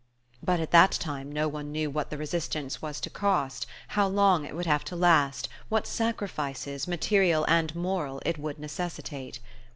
But at that time no one knew what the resistance was to cost, how long it would have to last, what sacrifices, material and moral, it would necessitate.